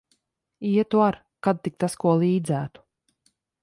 Ietu ar, kad tik tas ko līdzētu.